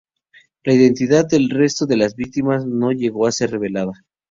La identidad del resto de las víctimas no llegó a ser revelada.